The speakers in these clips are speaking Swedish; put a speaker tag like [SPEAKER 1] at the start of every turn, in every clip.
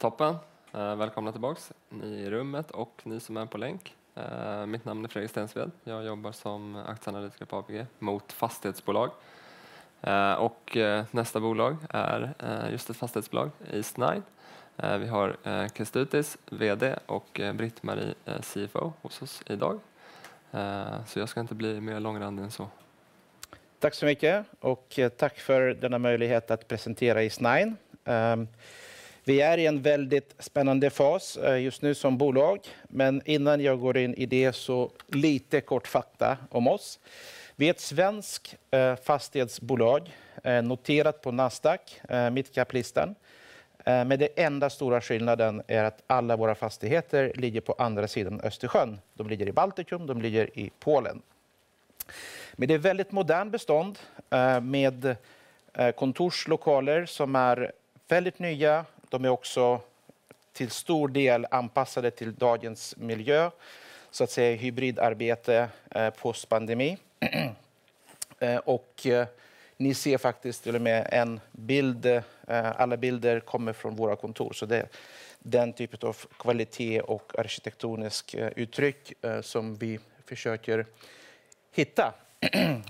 [SPEAKER 1] Toppen! Välkomna tillbaka, ni i rummet och ni som är på länk. Mitt namn är Fredrik Stensved. Jag jobbar som aktieanalytiker på ABG mot fastighetsbolag. Och nästa bolag är just ett fastighetsbolag, Eastnine. Vi har Kestutis, VD, och Britt-Marie, CFO, hos oss idag. Så jag ska inte bli mer långrandig än så.
[SPEAKER 2] Tack så mycket och tack för denna möjlighet att presentera Eastnine. Vi är i en väldigt spännande fas just nu som bolag, men innan jag går in i det så lite kort fakta om oss. Vi är ett svenskt fastighetsbolag, noterat på Nasdaq, mid cap-listan. Men den enda stora skillnaden är att alla våra fastigheter ligger på andra sidan Östersjön. De ligger i Baltikum, de ligger i Polen. Men det är väldigt modernt bestånd med kontorslokaler som är väldigt nya. De är också till stor del anpassade till dagens miljö, så att säga hybridarbete post pandemi. Och ni ser faktiskt till och med en bild. Alla bilder kommer från våra kontor, så det är den typen av kvalitet och arkitektoniskt uttryck som vi försöker hitta.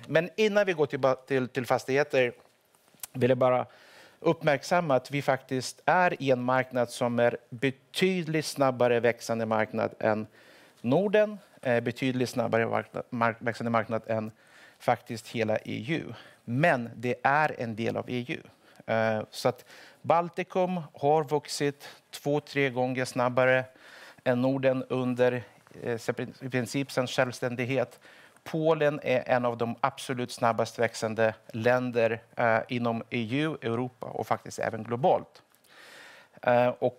[SPEAKER 2] Men innan vi går tillbaka till fastigheter, vill jag bara uppmärksamma att vi faktiskt är i en marknad som är betydligt snabbare växande marknad än Norden, betydligt snabbare växande marknad än faktiskt hela EU. Men det är en del av EU. Så att Baltikum har vuxit två, tre gånger snabbare än Norden under i princip sedan självständighet. Polen är en av de absolut snabbast växande länderna inom EU, Europa och faktiskt även globalt.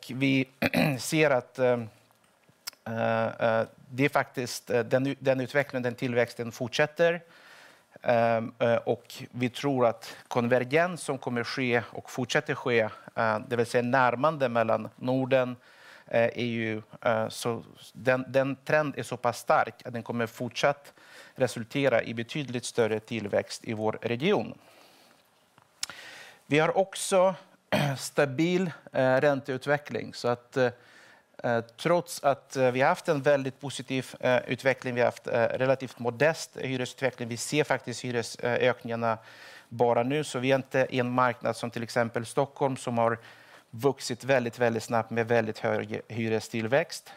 [SPEAKER 2] Vi ser att det är faktiskt den utvecklingen, den tillväxten fortsätter. Vi tror att konvergens som kommer ske och fortsätter ske, det vill säga närmande mellan Norden, EU, så den trenden är så pass stark att den kommer fortsatt resultera i betydligt större tillväxt i vår region. Vi har också stabil ränteutveckling. Trots att vi haft en väldigt positiv utveckling, vi haft relativt modest hyresutveckling, vi ser faktiskt hyresökningarna bara nu. Vi är inte i en marknad som till exempel Stockholm, som har vuxit väldigt snabbt med väldigt hög hyrestillväxt,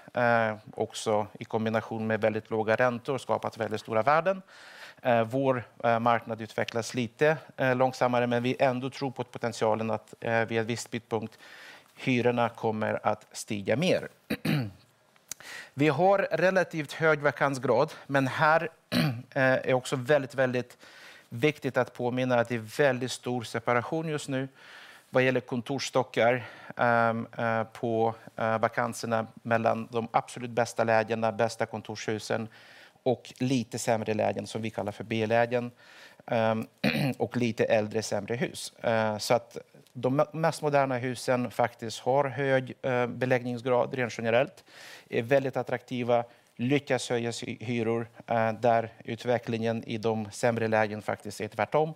[SPEAKER 2] också i kombination med väldigt låga räntor, skapat väldigt stora värden. Vår marknad utvecklas lite långsammare, men vi tror ändå på potentialen att vid en viss punkt kommer hyrorna att stiga mer. Vi har relativt hög vakansgrad, men här är också väldigt viktigt att påminna att det är väldigt stor separation just nu vad gäller kontorsstockar på vakanserna mellan de absolut bästa lägena, bästa kontorshusen och lite sämre lägen, som vi kallar för B-lägen, och lite äldre, sämre hus. De mest moderna husen faktiskt har hög beläggningsgrad rent generellt, är väldigt attraktiva, lyckas höja hyror, där utvecklingen i de sämre lägen faktiskt är tvärtom.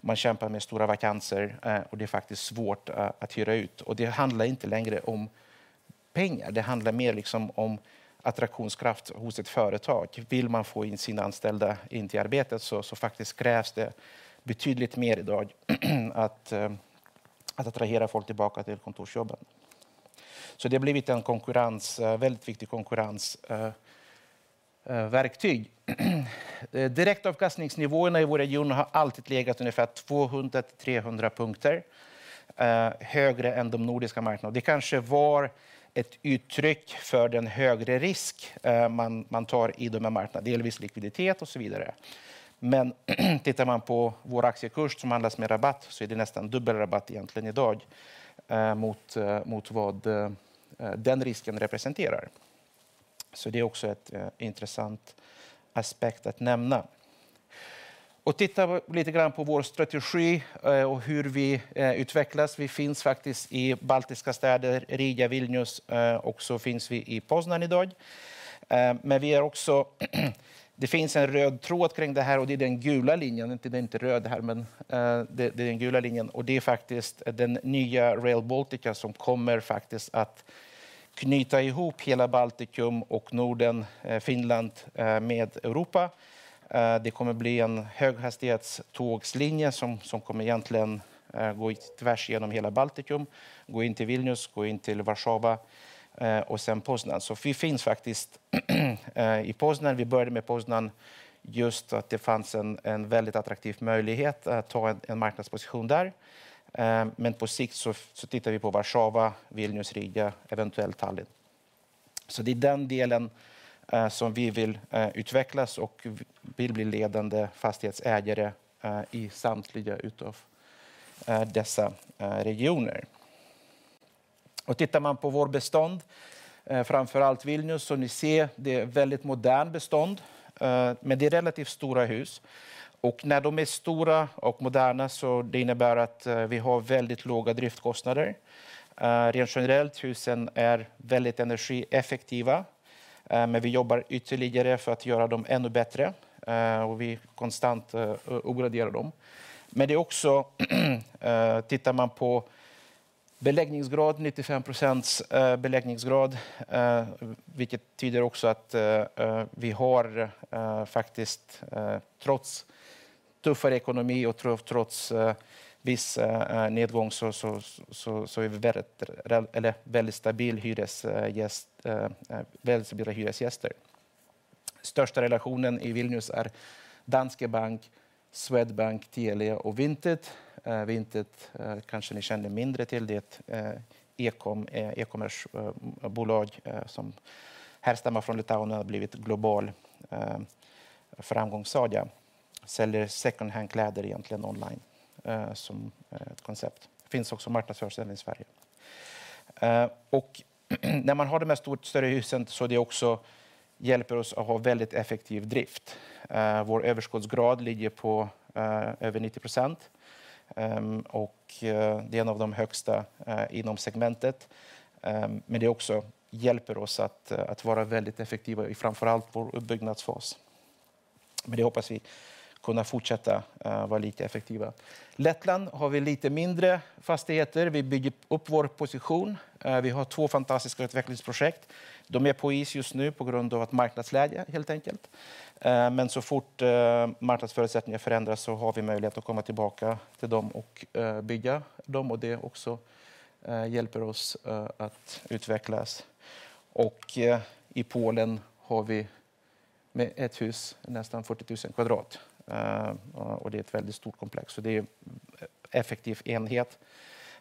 [SPEAKER 2] Man kämpar med stora vakanser och det är faktiskt svårt att hyra ut. Det handlar inte längre om pengar, det handlar mer om attraktionskraft hos ett företag. Vill man få in sina anställda till arbetet, så krävs det betydligt mer idag att attrahera folk tillbaka till kontorsjobben. Det har blivit en konkurrens, väldigt viktigt konkurrensverktyg. Direktavkastningsnivåerna i vår region har alltid legat ungefär 200-300 punkter högre än de nordiska marknaderna. Det kanske var ett uttryck för den högre risk man tar på dessa marknader, delvis likviditet och så vidare. Men tittar man på vår aktiekurs som handlas med rabatt, så är det nästan dubbel rabatt egentligen idag mot vad den risken representerar. Det är också en intressant aspekt att nämna. Tittar lite på vår strategi och hur vi utvecklas. Vi finns faktiskt i baltiska städer, Riga, Vilnius och vi finns i Poznan idag. Men vi är också, det finns en röd tråd kring det här och det är den gula linjen. Det är inte röd här, men det är den gula linjen och det är faktiskt den nya Rail Baltica som kommer faktiskt att knyta ihop hela Baltikum och Norden, Finland med Europa. Det kommer bli en höghastighetstågslinje som kommer egentligen gå tvärs igenom hela Baltikum, gå in till Vilnius, gå in till Warszawa och sen Poznan. Vi finns faktiskt i Poznan. Vi började med Poznan, just att det fanns en väldigt attraktiv möjlighet att ta en marknadsposition där. Men på sikt så tittar vi på Warszawa, Vilnius, Riga, eventuellt Tallinn. Det är den delen som vi vill utvecklas och vill bli ledande fastighetsägare i samtliga av dessa regioner. Och tittar man på vår bestånd, framför allt Vilnius, så ni ser, det är väldigt modern bestånd, men det är relativt stora hus. Och när de är stora och moderna, så det innebär att vi har väldigt låga driftkostnader. Rent generellt, husen är väldigt energieffektiva, men vi jobbar ytterligare för att göra dem ännu bättre och vi konstant uppgraderar dem. Men det är också, tittar man på beläggningsgraden, 95% beläggningsgrad, vilket tyder också att vi har faktiskt trots tuffare ekonomi och trots viss nedgång så är vi väldigt stabil hyresgäst, väldigt stabila hyresgäster. Största relationen i Vilnius är Danske Bank, Swedbank, Telia och Vinted. Vinted kanske ni känner mindre till. Det är ett e-commerce bolag som härstammar från Litauen och har blivit global framgångssaga. Säljer second hand-kläder egentligen online som ett koncept. Finns också marknadsförs även i Sverige. Och när man har de här stora, större husen så hjälper det också oss att ha väldigt effektiv drift. Vår överskottsgrad ligger på över 90%, och det är en av de högsta inom segmentet. Men det hjälper också oss att vara väldigt effektiva i framför allt vår uppbyggnadsfas. Men det hoppas vi kunna fortsätta vara lika effektiva. Lettland har vi lite mindre fastigheter. Vi bygger upp vår position. Vi har två fantastiska utvecklingsprojekt. De är på is just nu på grund av ett marknadsläge, helt enkelt. Men så fort marknadsförutsättningar förändras, så har vi möjlighet att komma tillbaka till dem och bygga dem, och det hjälper också oss att utvecklas. Och i Polen har vi med ett hus, nästan 40,000 kvadrat, och det är ett väldigt stort komplex. Så det är effektiv enhet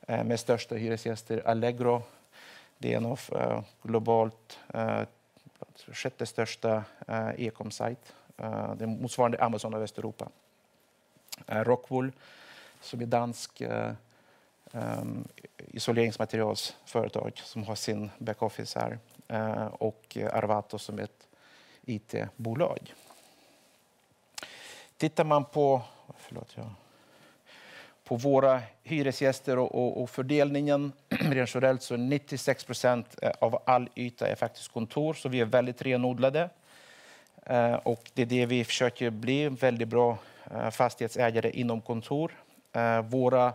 [SPEAKER 2] med största hyresgäster, Allegro. Det är nog globalt, sjätte största e-com site. Det är motsvarande Amazon i Västeuropa. Rockwool, som är danskt isoleringsmaterialsföretag som har sin backoffice här och Arvato, som är ett IT-bolag. Tittar man på våra hyresgäster och fördelningen rent generellt, så 96% av all yta är faktiskt kontor, så vi är väldigt renodlade. Och det är det vi försöker bli, väldigt bra fastighetsägare inom kontor. Våra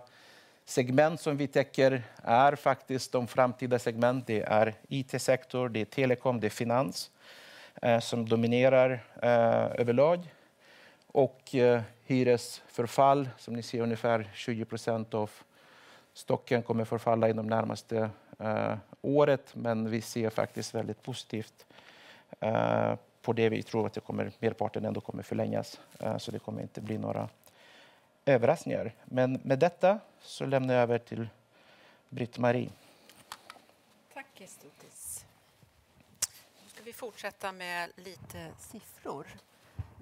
[SPEAKER 2] segment som vi täcker är faktiskt de framtida segmenten. Det är IT-sektor, det är Telecom, det är finans, som dominerar överlag. Och hyresförfall, som ni ser, ungefär 20% av stocken kommer förfalla inom närmaste året, men vi ser faktiskt väldigt positivt på det. Vi tror att det kommer, merparten ändå kommer förlängas, så det kommer inte bli några överraskningar. Men med detta så lämnar jag över till Britt-Marie.
[SPEAKER 3] Tack Kestutis! Då ska vi fortsätta med lite siffror.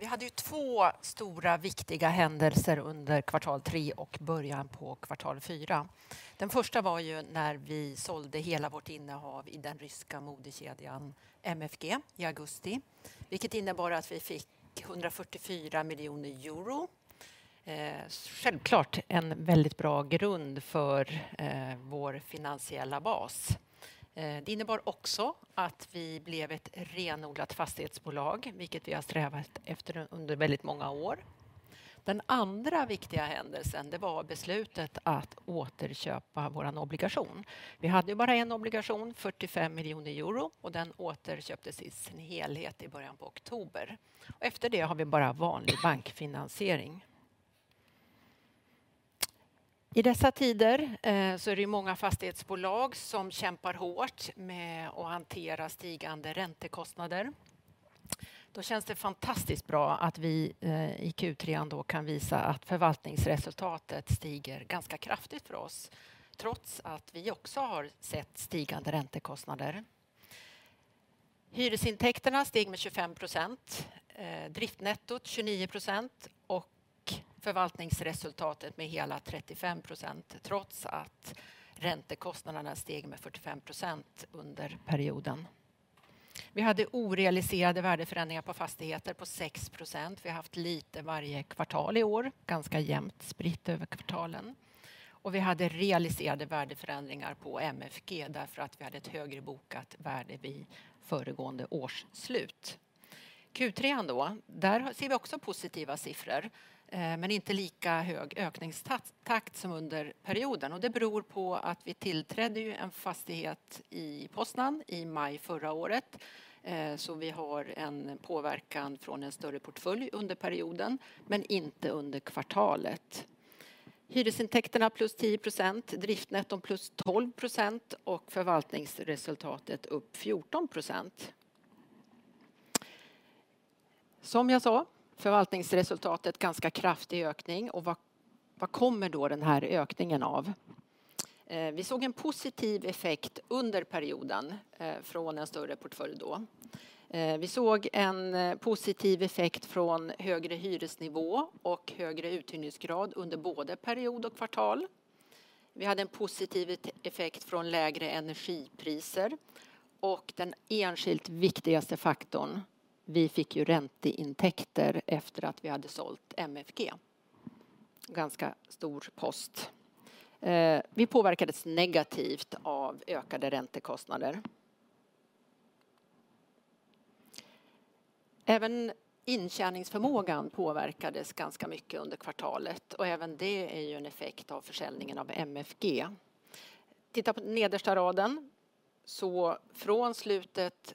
[SPEAKER 3] Vi hade ju två stora viktiga händelser under kvartal tre och början på kvartal fyra. Den första var ju när vi sålde hela vårt innehav i den ryska modekedjan MFG i augusti, vilket innebar att vi fick €144 miljoner. Självklart en väldigt bra grund för vår finansiella bas. Det innebar också att vi blev ett renodlat fastighetsbolag, vilket vi har strävat efter under väldigt många år. Den andra viktiga händelsen, det var beslutet att återköpa vår obligation. Vi hade ju bara en obligation, €45 miljoner, och den återköptes i sin helhet i början på oktober. Efter det har vi bara vanlig bankfinansiering. I dessa tider så är det ju många fastighetsbolag som kämpar hårt med att hantera stigande räntekostnader. Då känns det fantastiskt bra att vi i Q3 kan visa att förvaltningsresultatet stiger ganska kraftigt för oss, trots att vi också har sett stigande räntekostnader. Hyresintäkterna steg med 25%, driftnettot 29% och förvaltningsresultatet med hela 35%, trots att räntekostnaderna steg med 45% under perioden. Vi hade orealiserade värdeförändringar på fastigheter på 6%. Vi har haft lite varje kvartal i år, ganska jämnt spritt över kvartalen. Vi hade realiserade värdeförändringar på MFG därför att vi hade ett högre bokat värde vid föregående årsslut. Q3 då, där ser vi också positiva siffror, men inte lika hög ökningstakt som under perioden. Det beror på att vi tillträdde ju en fastighet i Poznan i maj förra året. Så vi har en påverkan från en större portfölj under perioden, men inte under kvartalet. Hyresintäkterna plus 10%, driftnetton plus 12% och förvaltningsresultatet upp 14%. Som jag sa, förvaltningsresultatet, ganska kraftig ökning. Vad kommer då den här ökningen av? Vi såg en positiv effekt under perioden från en större portfölj då. Vi såg en positiv effekt från högre hyresnivå och högre uthyrningsgrad under både period och kvartal. Vi hade en positiv effekt från lägre energipriser och den enskilt viktigaste faktorn: vi fick ju ränteintäkter efter att vi hade sålt MFG. Ganska stor post. Vi påverkades negativt av ökade räntekostnader. Även intjäningsförmågan påverkades ganska mycket under kvartalet och även det är ju en effekt av försäljningen av MFG. Titta på nedersta raden, så från slutet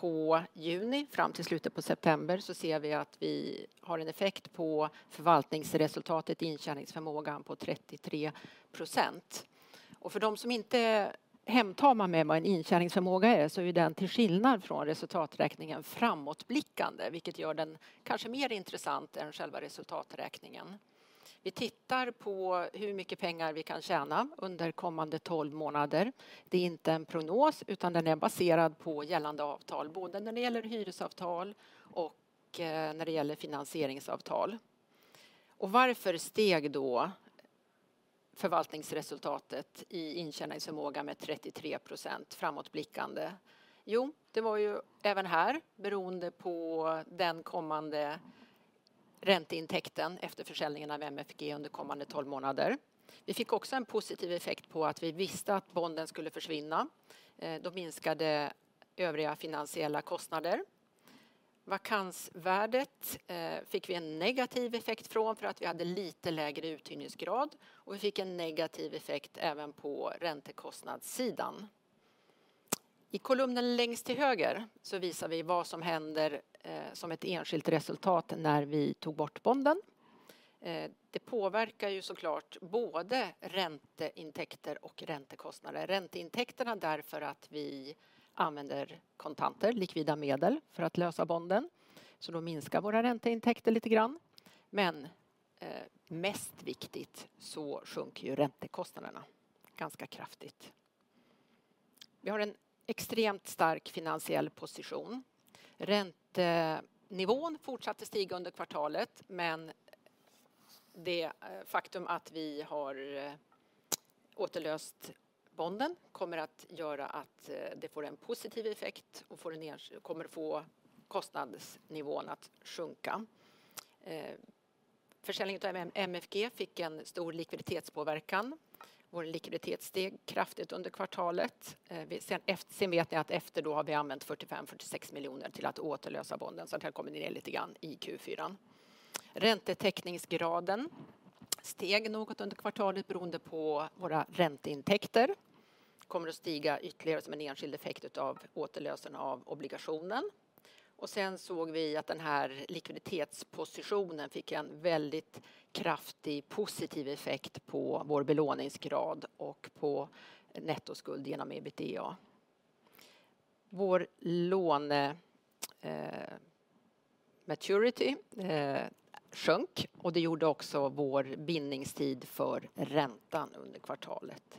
[SPEAKER 3] på juni fram till slutet på september så ser vi att vi har en effekt på förvaltningsresultatet, intjäningsförmågan på 33%. För de som inte är hemtama med vad en intjäningsförmåga är, så är den till skillnad från resultaträkningen framåtblickande, vilket gör den kanske mer intressant än själva resultaträkningen. Vi tittar på hur mycket pengar vi kan tjäna under kommande tolv månader. Det är inte en prognos, utan den är baserad på gällande avtal, både när det gäller hyresavtal och när det gäller finansieringsavtal. Varför steg då förvaltningsresultatet i intjäningsförmåga med 33% framåtblickande? Det var även här beroende på den kommande ränteintäkten efter försäljningen av MFG under kommande tolv månader. Vi fick också en positiv effekt på att vi visste att bonden skulle försvinna. Då minskade övriga finansiella kostnader. Vakansvärdet fick vi en negativ effekt från för att vi hade lite lägre uthyrningsgrad och vi fick en negativ effekt även på räntekostnadssidan. I kolumnen längst till höger så visar vi vad som händer som ett enskilt resultat när vi tog bort bonden. Det påverkar så klart både ränteintäkter och räntekostnader. Ränteintäkterna därför att vi använder kontanter, likvida medel, för att lösa bonden. Så då minskar våra ränteintäkter lite grann. Men mest viktigt så sjunker ju räntekostnaderna ganska kraftigt. Vi har en extremt stark finansiell position. Räntenivån fortsatte stiga under kvartalet, men det faktum att vi har återlöst bonden kommer att göra att det får en positiv effekt och får en, kommer att få kostnadsnivån att sjunka. Försäljningen av MFG fick en stor likviditetspåverkan. Vår likviditet steg kraftigt under kvartalet. Sen vet jag att efter då har vi använt 45-46 miljoner till att återlösa bonden, så det har kommit ner lite grann i Q4. Räntetäckningsgraden steg något under kvartalet beroende på våra ränteintäkter. Kommer att stiga ytterligare som en enskild effekt utav återlösen av obligationen. Sen såg vi att den här likviditetspositionen fick en väldigt kraftig positiv effekt på vår belåningsgrad och på nettoskuld genom EBITDA. Vår lån maturity sjönk och det gjorde också vår bindingstid för räntan under kvartalet.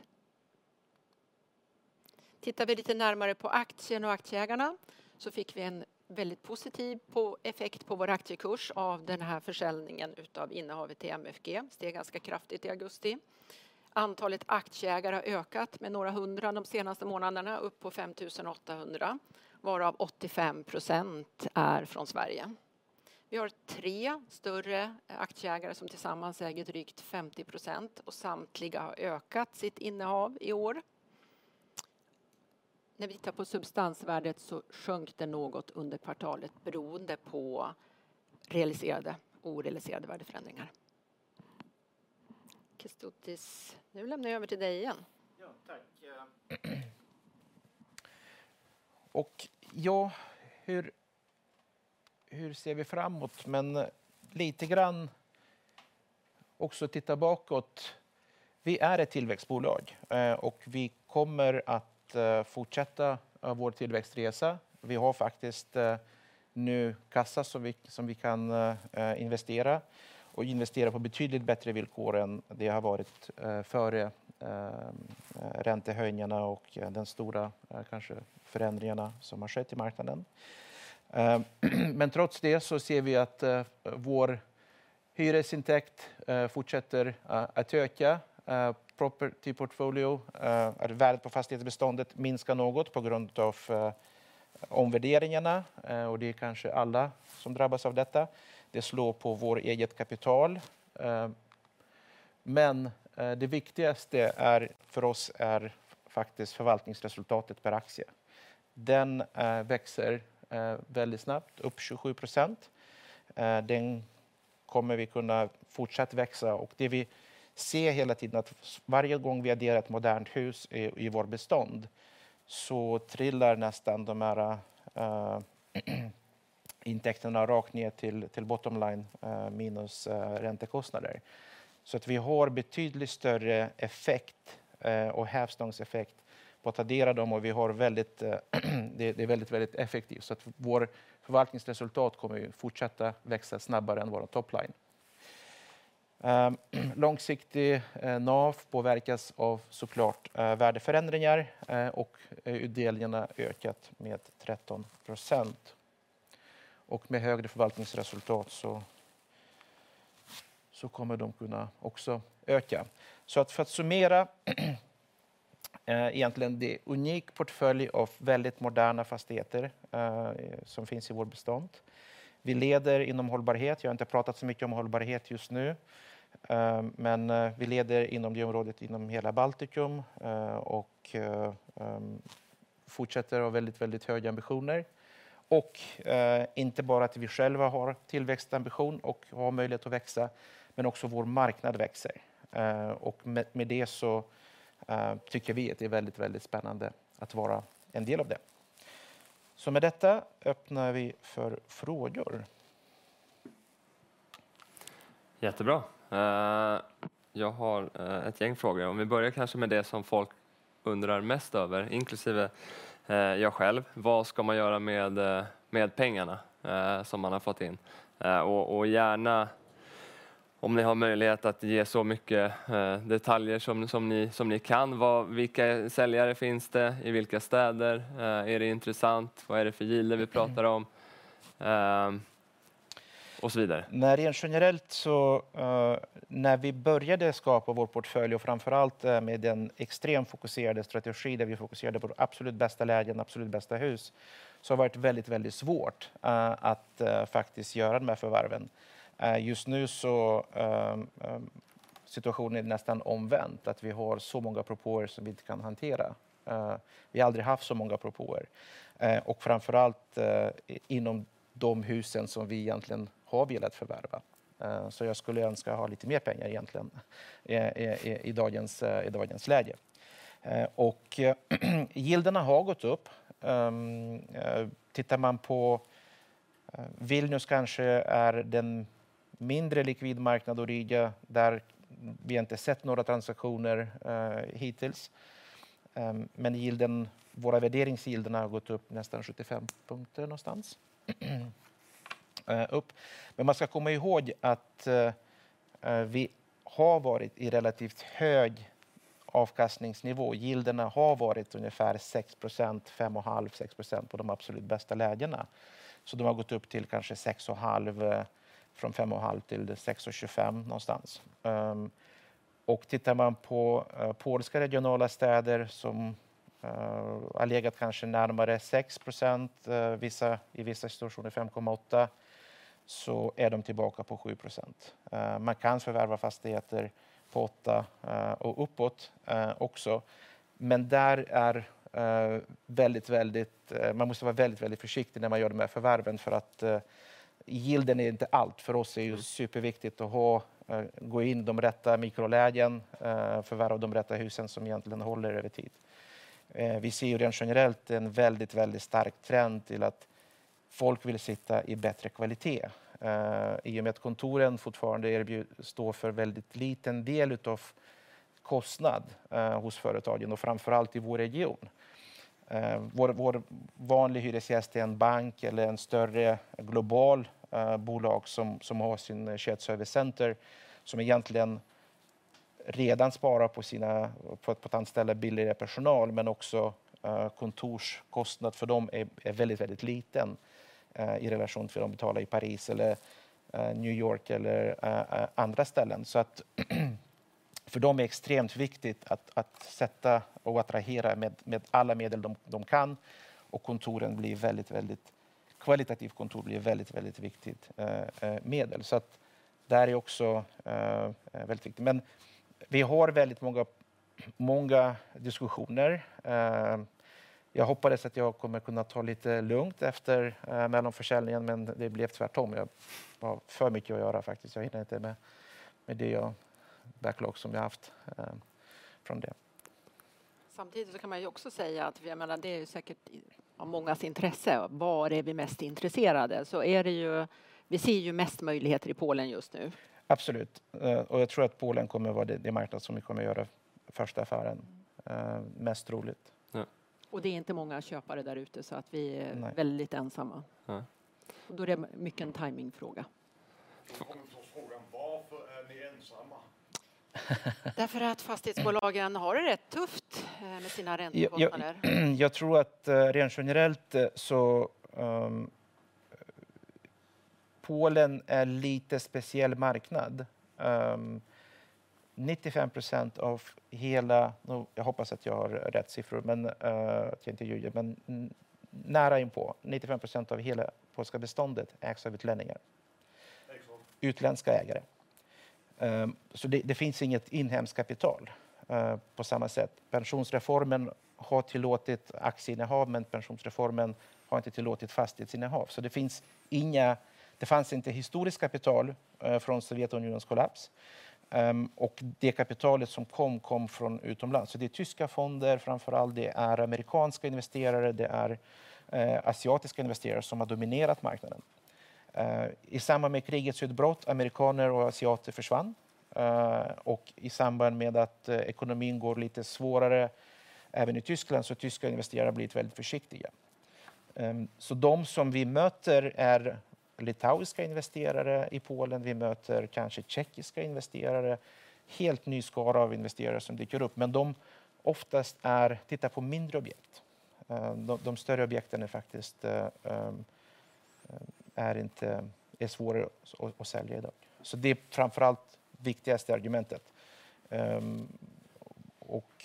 [SPEAKER 3] Tittar vi lite närmare på aktien och aktieägarna så fick vi en väldigt positiv effekt på vår aktiekurs av den här försäljningen av innehavet till MFG, steg ganska kraftigt i augusti. Antalet aktieägare har ökat med några hundra de senaste månaderna, upp på 5,800, varav 85% är från Sverige. Vi har tre större aktieägare som tillsammans äger drygt 50% och samtliga har ökat sitt innehav i år. När vi tittar på substansvärdet så sjönk det något under kvartalet beroende på realiserade och orealiserade värdeförändringar. Kestutis, nu lämnar jag över till dig igen.
[SPEAKER 2] Ja, tack! Och ja, hur ser vi framåt? Men lite grann också titta bakåt. Vi är ett tillväxtbolag och vi kommer att fortsätta vår tillväxtresa. Vi har faktiskt nu kassa som vi kan investera och investera på betydligt bättre villkor än det har varit före räntehöjningarna och den stora förändringen som har skett i marknaden. Men trots det så ser vi att vår hyresintäkt fortsätter att öka. Property portfolio, värdet på fastighetsbeståndet minskar något på grund av omvärderingarna och det är alla som drabbas av detta. Det slår på vårt eget kapital. Men det viktigaste för oss är faktiskt förvaltningsresultatet per aktie. Den växer väldigt snabbt, upp 27%. Den kommer vi kunna fortsatt växa och det vi ser hela tiden att varje gång vi adderar ett modernt hus i vår bestånd, så trillar nästan de här intäkterna rakt ner till bottom line minus räntekostnader. Vi har betydligt större effekt och hävstångseffekt på att addera dem och vi har väldigt effektivt. Vårt förvaltningsresultat kommer att fortsätta växa snabbare än vår top line. Långsiktig NAV påverkas av värdeförändringar och utdelningarna ökat med 13%. Med högre förvaltningsresultat så kommer de kunna också öka. För att summera, egentligen det unika portfölj av väldigt moderna fastigheter som finns i vår bestånd. Vi leder inom hållbarhet. Jag har inte pratat så mycket om hållbarhet just nu, men vi leder inom det området, inom hela Baltikum och fortsätter att ha väldigt höga ambitioner. Och inte bara att vi själva har tillväxtambition och har möjlighet att växa, utan också vår marknad växer. Och med det så tycker vi att det är väldigt, väldigt spännande att vara en del av det. Med detta öppnar vi för frågor.
[SPEAKER 1] Jättebra! Jag har ett gäng frågor. Om vi börjar kanske med det som folk undrar mest över, inklusive jag själv. Vad ska man göra med pengarna som man har fått in? Och gärna, om ni har möjlighet att ge så mycket detaljer som ni kan, vad, vilka säljare finns det? I vilka städer? Är det intressant? Vad är det för yield vi pratar om? Och så vidare.
[SPEAKER 2] Nej, rent generellt, så när vi började skapa vår portfölj och framför allt med den extremt fokuserade strategi, där vi fokuserade på det absolut bästa lägen, absolut bästa hus, så har varit väldigt, väldigt svårt att faktiskt göra de här förvärven. Just nu så situationen är nästan omvänt, att vi har så många propåer som vi inte kan hantera. Vi har aldrig haft så många propåer och framför allt inom de husen som vi egentligen har velat förvärva. Så jag skulle önska att ha lite mer pengar egentligen i dagens läge. Yielderna har gått upp. Tittar man på Vilnius, kanske är den mindre likvid marknad och Riga, där vi inte sett några transaktioner hittills. Men yielden, våra värderingsyielderna har gått upp nästan 75 punkter någonstans upp. Men man ska komma ihåg att vi har varit i relativt hög avkastningsnivå. Yielderna har varit ungefär 6%, 5,5%, 6% på de absolut bästa lägena. Så de har gått upp till kanske 6,5%, från 5,5% till 6,25% någonstans. Tittar man på polska regionala städer som har legat kanske närmare 6%, vissa, i vissa situationer 5,8%, så är de tillbaka på 7%. Man kan förvärva fastigheter på 8% och uppåt också, men där är väldigt, väldigt, man måste vara väldigt, väldigt försiktig när man gör de här förvärven för att yielden är inte allt. För oss är det superviktigt att gå in i de rätta mikrolägena, förvärva de rätta husen som egentligen håller över tid. Vi ser ju rent generellt en väldigt, väldigt stark trend till att folk vill sitta i bättre kvalitet. I och med att kontoren fortfarande erbjuder, står för väldigt liten del av kostnaden hos företagen och framför allt i vår region. Vår vanliga hyresgäst är en bank eller ett större globalt bolag som har sitt shared service center, som egentligen redan sparar på sina, på ett annat ställe billigare personal, men också kontorskostnaden för dem är väldigt liten i relation till vad de betalar i Paris eller New York eller andra ställen. Så för dem är det extremt viktigt att sätta och attrahera med alla medel de kan och kontoren blir väldigt kvalitativa kontor blir väldigt viktigt medel. Så där är det också väldigt viktigt. Men vi har väldigt många diskussioner. Jag hoppades att jag skulle kunna ta det lite lugnt efter mellanförsäljningen, men det blev tvärtom. Jag har för mycket att göra faktiskt. Jag hinner inte med det backlog som jag haft från det.
[SPEAKER 3] Samtidigt så kan man ju också säga att, jag menar, det är ju säkert av mångas intresse. Var är vi mest intresserade? Vi ser ju mest möjligheter i Polen just nu.
[SPEAKER 2] Absolut. Och jag tror att Polen kommer att vara den marknad som vi kommer att göra första affären. Mest roligt.
[SPEAKER 3] Och det är inte många köpare där ute, så att vi är väldigt ensamma. Då är det mycket en timingfråga.
[SPEAKER 1] Då kommer frågan, varför är ni ensamma?
[SPEAKER 3] Därför att fastighetsbolagen har det rätt tufft med sina räntor.
[SPEAKER 2] Jag tror att rent generellt så... Polen är lite speciell marknad. 95% av hela, jag hoppas att jag har rätt siffror, men att jag inte ljuger, men nära inpå 95% av hela polska beståndet ägs av utlänningar. Utländska ägare. Det finns inget inhemskt kapital på samma sätt. Pensionsreformen har tillåtit aktieinnehav, men pensionsreformen har inte tillåtit fastighetsinnehav. Det finns inga, det fanns inte historiskt kapital från Sovjetunionens kollaps, och det kapitalet som kom, kom från utomlands. Det är tyska fonder, framför allt, det är amerikanska investerare, det är asiatiska investerare som har dominerat marknaden. I samband med krigets utbrott, amerikaner och asiater försvann, och i samband med att ekonomin går lite svårare även i Tyskland, så tyska investerare har blivit väldigt försiktiga. De som vi möter är litauiska investerare i Polen. Vi möter kanske tjeckiska investerare, helt ny skara av investerare som dyker upp, men de oftast är, tittar på mindre objekt. De större objekten är faktiskt, är inte, är svåra att sälja i dag. Så det är framför allt viktigaste argumentet. Och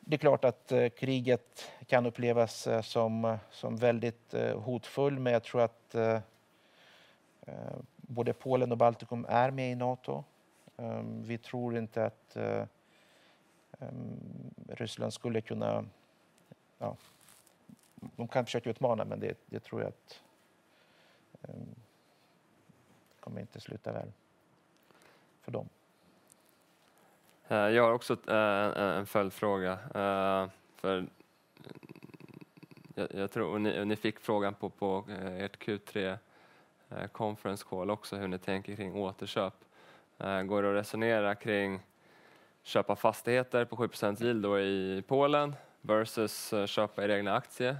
[SPEAKER 2] det är klart att kriget kan upplevas som, som väldigt hotfull, men jag tror att både Polen och Baltikum är med i NATO. Vi tror inte att Ryssland skulle kunna, ja, de kan försöka utmana, men det tror jag att kommer inte sluta väl för dem.
[SPEAKER 1] Jag har också en följdfråga. För jag tror ni fick frågan på ert Q3 conference call också, hur ni tänker kring återköp. Går det att resonera kring att köpa fastigheter på 7% yield i Polen versus köpa er egna aktie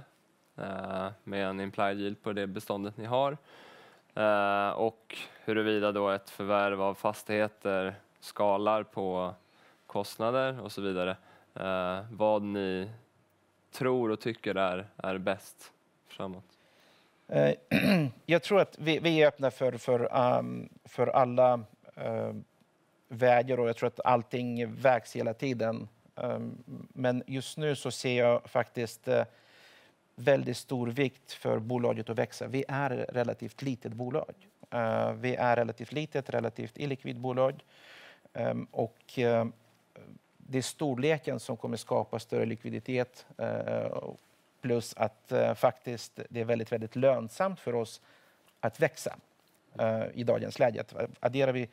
[SPEAKER 1] med en implied yield på det beståndet ni har? Och huruvida då ett förvärv av fastigheter skalar på kostnader och så vidare. Vad ni tror och tycker är bäst framåt?
[SPEAKER 2] Jag tror att vi är öppna för alla vägar och jag tror att allting vägs hela tiden. Men just nu så ser jag faktiskt väldigt stor vikt för bolaget att växa. Vi är ett relativt litet bolag. Vi är relativt litet, relativt illikvid bolag och det är storleken som kommer att skapa större likviditet. Plus att faktiskt det är väldigt, väldigt lönsamt för oss att växa i dagens läge. Adderar vi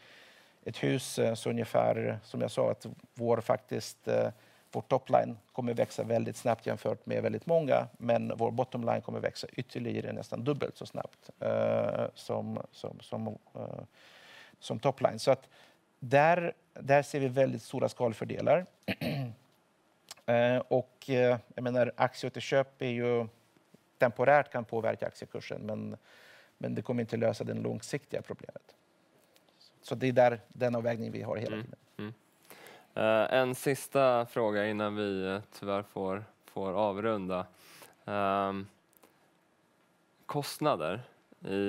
[SPEAKER 2] ett hus så ungefär som jag sa att vår faktiskt, vårt top line kommer växa väldigt snabbt jämfört med väldigt många, men vår bottom line kommer växa ytterligare nästan dubbelt så snabbt som top line. Så att där ser vi väldigt stora skalfördelar. Jag menar, aktieåterköp är ju temporärt kan påverka aktiekursen, men det kommer inte lösa det långsiktiga problemet. Så det är där den avvägning vi har hela tiden.
[SPEAKER 1] En sista fråga innan vi tyvärr får avrunda. Kostnader,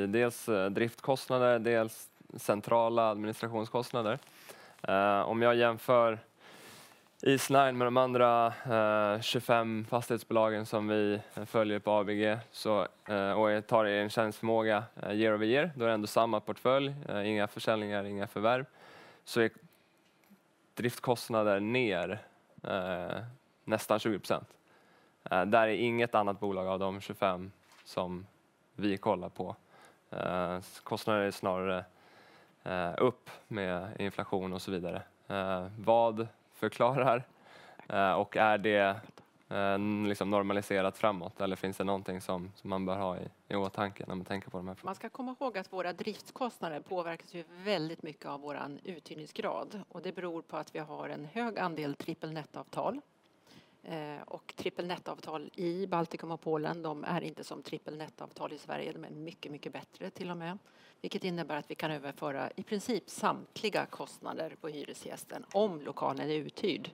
[SPEAKER 1] dels driftkostnader, dels centrala administrationskostnader. Om jag jämför Eastnine med de andra tjugofem fastighetsbolagen som vi följer på ABG, så och tar er en tjänsteförmåga year over year, då är det ändå samma portfölj, inga försäljningar, inga förvärv, så är driftkostnader ner nästan 20%. Där är inget annat bolag av de tjugofem som vi kollar på. Kostnader är snarare upp med inflation och så vidare. Vad förklarar och är det liksom normaliserat framåt? Eller finns det någonting som man bör ha i åtanke när man tänker på de här frågorna?
[SPEAKER 3] Man ska komma ihåg att våra driftskostnader påverkas väldigt mycket av vår uthyrningsgrad och det beror på att vi har en hög andel trippelnettavtal. Trippelnettavtal i Baltikum och Polen, de är inte som trippelnettavtal i Sverige, de är mycket, mycket bättre till och med. Vilket innebär att vi kan överföra i princip samtliga kostnader på hyresgästen om lokalen är uthyrd.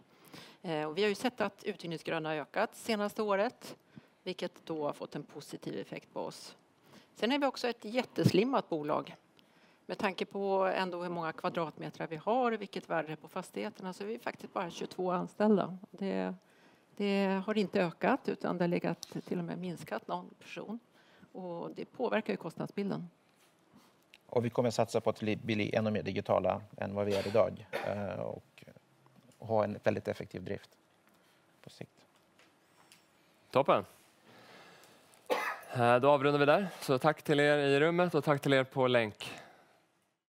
[SPEAKER 3] Vi har sett att uthyrningsgraden har ökat senaste året, vilket då har fått en positiv effekt på oss. Sen är vi också ett slimmat bolag. Med tanke på hur många kvadratmeter vi har och vilket värde på fastigheterna, så är vi faktiskt bara tjugotvå anställda. Det har inte ökat, utan det har legat till och med minskat någon person och det påverkar kostnadsbilden.
[SPEAKER 2] Och vi kommer att satsa på att bli ännu mer digitala än vad vi är idag och ha en väldigt effektiv drift på sikt.
[SPEAKER 1] Toppen! Då avrundar vi där. Så tack till er i rummet och tack till er på länk.